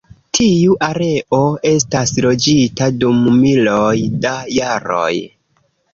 Tiu areo estas loĝita dum miloj da jaroj.